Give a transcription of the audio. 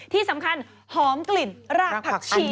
ที่สำคัญหอมกลิ่นรากผักชี